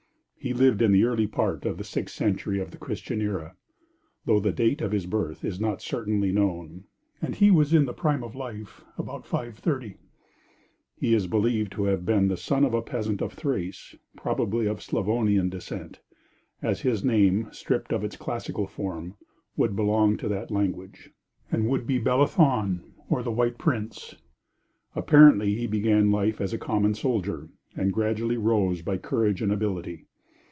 He lived in the early part of the sixth century of the Christian era, though the date of his birth is not certainly known, and he was in the prime of life about 530. He is believed to have been the son of a peasant of Thrace, probably of Slavonian descent, as his name, stripped of its classical form, would belong to that language and would be Beli than, or the White Prince. Apparently he began life as a common soldier, and gradually rose by courage and ability.